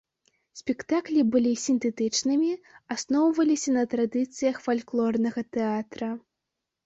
Спектаклі былі сінтэтычнымі, асноўваліся на традыцыях фальклорнага тэатра.